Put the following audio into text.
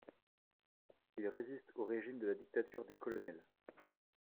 Il résiste au régime de la dictature des colonels.